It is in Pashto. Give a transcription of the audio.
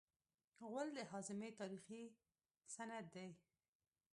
غول د هاضمې تاریخي سند دی.